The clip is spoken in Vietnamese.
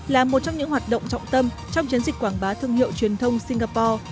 là một trong những hoạt động trọng tâm trong chiến dịch quảng bá thương hiệu truyền thông singapore